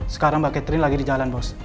sekarang mbak catherine lagi di jalan bos